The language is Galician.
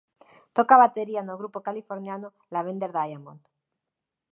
Toca a batería no grupo californiano Lavender Diamond.